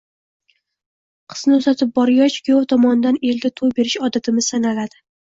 Qizni uzatib borgach, kuyov tomonidan elga to`y berish odatimiz sanaladi